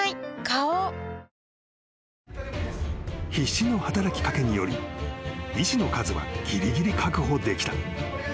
花王［必死の働き掛けにより医師の数はぎりぎり確保できた］